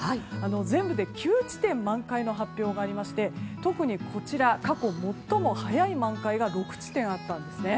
全部で９地点満開の発表がありまして特に過去最も早い満開が６地点あったんです。